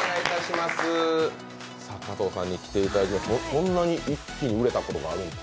そんなに一気に売れたことがあるんですか？